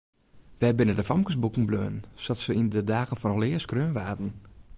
Wêr binne de famkesboeken bleaun sa't se yn de dagen fan alear skreaun waarden?